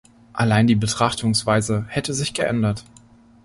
Allein die Betrachtungsweise hätte sich geändert.